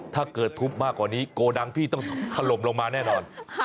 ถ้าเกิดทุบมากกว่านี้โกดังพี่ต้องถล่มลงมาแน่นอน